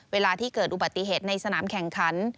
เวลาที่เกิดอุบัติเหตุในสนามแข่งขัน